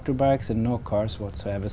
đã cảm nhận rất sâu sắc về